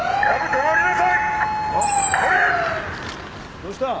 どうした？